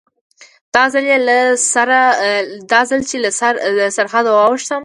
دا ځل چې له سرحده واوښتم.